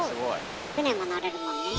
舟も乗れるもんね。